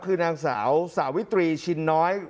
คือนางสาวสาวิตรีชินน้อย